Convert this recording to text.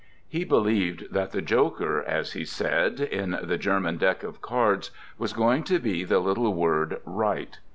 He believed that the Joker, as he said, in the Ger man deck of cards, was going to be the little word Right.